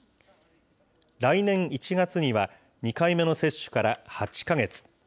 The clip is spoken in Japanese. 来年１月には、２回目の接種から８か月。